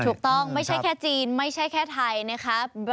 ไม่ใช่แค่จีนไม่ใช่แค่ไทยนะครับ